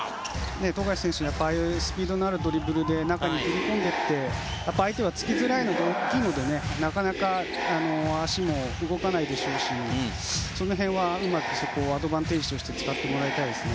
富樫選手はああいうスピードのあるドリブルで中に切り込んでいって相手はつきづらいので大きいのでなかなか足も動かないでしょうしその辺はうまくアドバンテージとして使ってもらいたいですね。